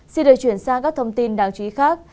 xin được chuyển sang các thông tin đáng chú ý khác